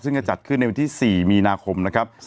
ซึ่งจะจัดขึ้นในวันที่๔มีนาคมนะครับ